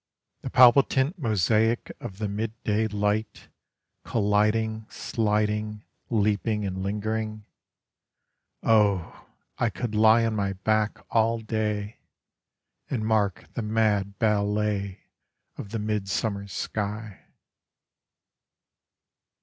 The palpitant mosaic of the midday light Colliding, sliding, leaping and lingering: O, I could lie on my back all day, And mark the mad ballet of the midsummer sky.